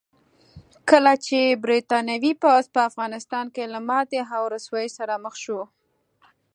کله چې برتانوي پوځ په افغانستان کې له ماتې او رسوایۍ سره مخ شو.